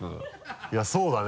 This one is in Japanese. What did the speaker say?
いやそうだね。